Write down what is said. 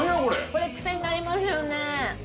これクセになりますよね